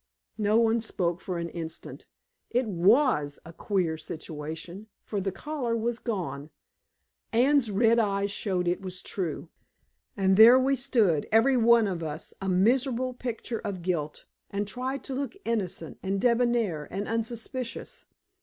No one spoke for an instant. It WAS a queer situation, for the collar was gone; Anne's red eyes showed it was true. And there we stood, every one of us a miserable picture of guilt, and tried to look innocent and debonair and unsuspicious.